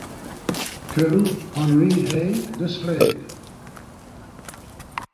Colonel Henri Hay De Slade